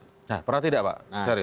nah pernah tidak pak